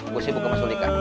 gua sibuk ke mas ulika